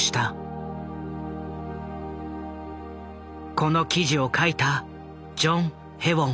この記事を書いたジョン・へウォン。